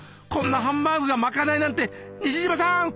こんなハンバーグがまかないなんて西島さん